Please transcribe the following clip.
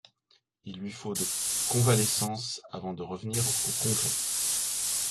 Il lui faut de convalescence avant de revenir au Congrès.